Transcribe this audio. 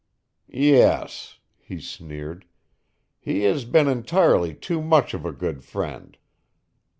"Yes," he sneered, "he has been entirely too much of a good friend.